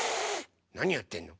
なにやってんの？